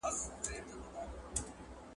دولت باید د خلګو لپاره کار وکړي.